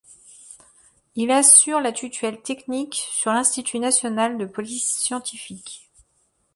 Il assure la tutelle technique sur l'Institut national de police scientifique.